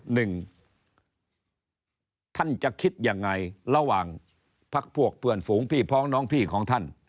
หนึ่งท่านจะคิดยังไงระหว่างพักพวกเพื่อนฝูงพี่พ้องน้องพี่ของท่าน